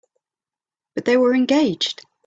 But they were engaged.